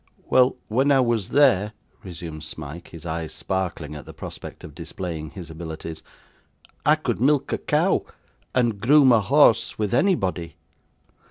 'Well, when I was there,' resumed Smike; his eyes sparkling at the prospect of displaying his abilities; 'I could milk a cow, and groom a horse, with anybody.